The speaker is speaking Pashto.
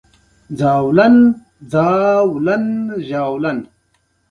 ما یوه لویه لرګینه پیپ پیدا کړه.